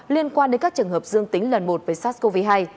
liên quan đến các trường hợp dương tính lần một với sars cov hai